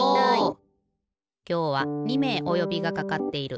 きょうは２めいおよびがかかっている。